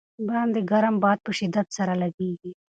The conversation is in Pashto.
باندې ګرم باد په شدت سره لګېږي.